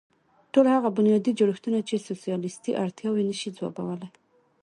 ټول هغه بنیادي جوړښتونه چې سوسیالېستي اړتیاوې نه شي ځوابولی.